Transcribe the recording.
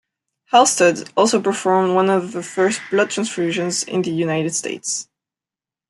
Halsted also performed one of the first blood transfusions in the United States.